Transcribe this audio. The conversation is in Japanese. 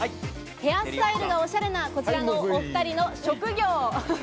ヘアスタイルがおしゃれなこちらのお２人の職業。